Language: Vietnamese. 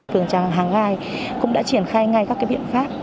phường tràng hàng gai cũng đã triển khai ngay các biện pháp